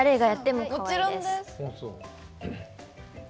もちろんです。